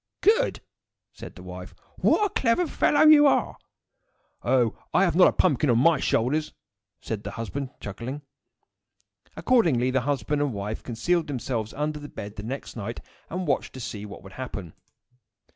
"Good!" said the wife. "What a clever fellow you are!" "Oh! I have not a pumpkin on my shoulders!" said the husband, chuckling. Accordingly, the husband and wife concealed themselves under the bed the next night, and watched to see what would happen.